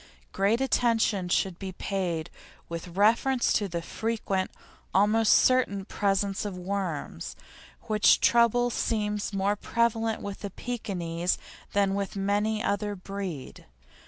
Great attention should be paid with reference to the frequent almost certain presence of worms, which trouble seems more prevalent with Pekinese than with any other breed.